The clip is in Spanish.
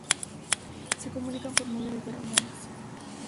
Se comunican por medio de feromonas.